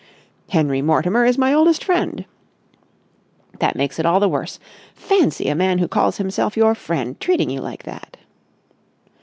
"Henry Mortimer is my oldest friend." "That makes it all the worse. Fancy a man who calls himself your friend treating you like that!"